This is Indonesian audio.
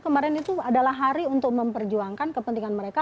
kemarin itu adalah hari untuk memperjuangkan kepentingan mereka